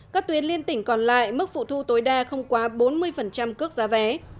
các tuyến liên tỉnh còn lại mức phụ thu tối đa không quá bốn mươi cước giá vé